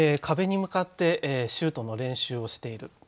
壁に向かってシュートの練習をしている。